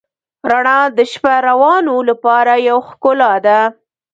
رڼا د شپهروانو لپاره یوه ښکلا ده.